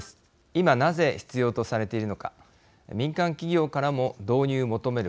今なぜ必要とされているのか民間企業からも導入求める